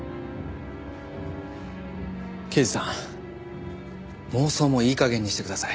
刑事さん妄想もいい加減にしてください。